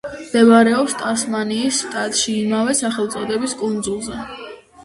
მდებარეობს ტასმანიის შტატში ამავე სახელწოდების კუნძულზე.